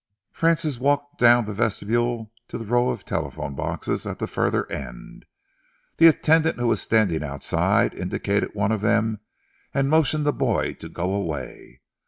Francis walked down the vestibule to the row of telephone boxes at the further end. The attendant who was standing outside, indicated one of them and motioned the boy to go away.